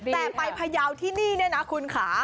แต่ไปพยาวที่นี่เนี่ยนะคุณค่ะ